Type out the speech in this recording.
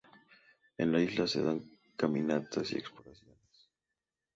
En la isla se dan caminatas y exploraciones.